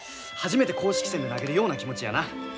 初めて公式戦で投げるような気持ちやな。